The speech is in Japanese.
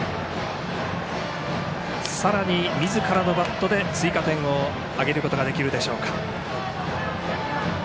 さらにみずからのバットで追加点を挙げることができるでしょうか。